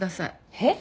えっ！？